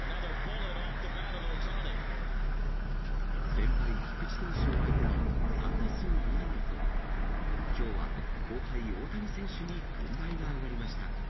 先輩、菊池投手を相手に、３打数２安打と、きょうは後輩、大谷選手に軍配が上がりました。